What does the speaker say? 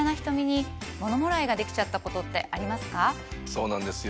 そうなんですよ。